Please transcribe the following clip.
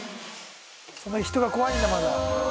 人が怖いんだまだ。